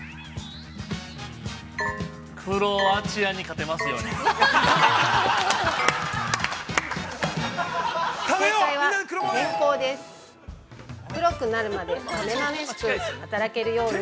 ◆クロアチアに勝てますように。